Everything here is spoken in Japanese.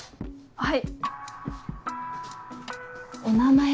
はい。